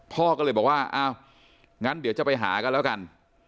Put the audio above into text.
พ่อก็เลยบอกว่าอ้าวงั้นเดี๋ยวจะไปหากันแล้วกัน